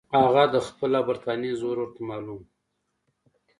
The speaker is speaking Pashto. هغه د خپل او برټانیې زور ورته معلوم وو.